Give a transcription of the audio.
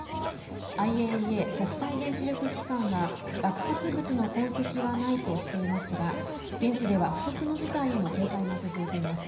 ＩＡＥＡ＝国際原子力機関は爆発物の痕跡はないとしていますが現地では不測の事態への警戒が続いています。